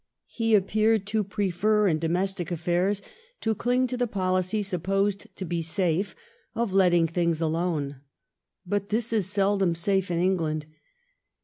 He appeared to prefer in domestic affairs to cling to the policy, supposed to be safe, of letting things alone. But this is seldom safe in England.